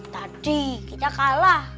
tadi kita kalah